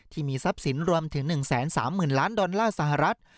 ที่มีทรัพย์สินรวมถึง๑๓๐๐๐ล้านดอลลาร์สหรัฐ